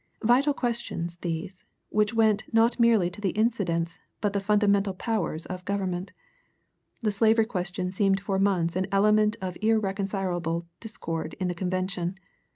Vital questions these, which went not merely to the incidents but the fundamental powers of government. The slavery question seemed for months an element of irreconcilable discord in the convention.